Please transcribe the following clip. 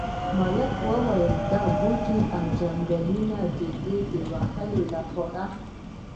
ملک وویل دا بوټي او ځنګلونه دي د وهلو لپاره.